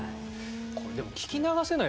これでも聞き流せないですよね。